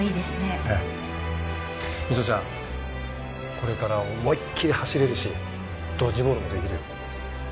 これから思いっきり走れるしドッジボールも出来るよ。